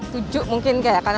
tujuh mungkin kayaknya